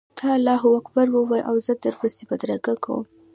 ته الله اکبر ووایه او زه در سره بدرګه کوم.